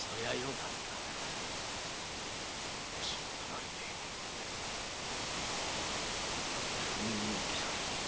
もしも奪われて封印を切られていたら。